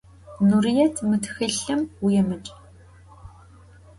Nurıêt, mı txılhım vuêmıc!